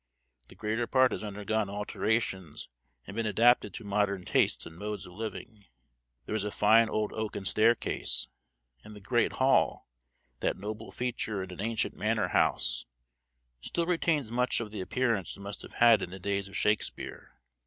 The greater part has undergone alterations and been adapted to modern tastes and modes of living: there is a fine old oaken staircase, and the great hall, that noble feature in an ancient manor house, still retains much of the appearance it must have had in the days of Shakespeare.